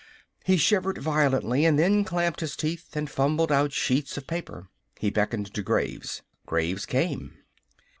He shivered violently, and then clamped his teeth and fumbled out sheets of paper. He beckoned to Graves. Graves came.